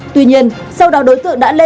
tuy nhiên sau đó đối tượng đã lên